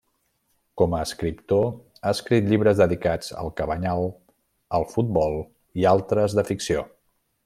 Com a escriptor, ha escrit llibres dedicats al Cabanyal, al futbol i altres de ficció.